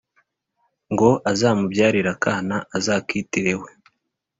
ngo azamubyarire akana azakitiriwe,